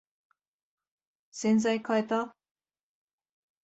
洗剤かえた？